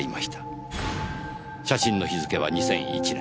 写真の日付は２００１年。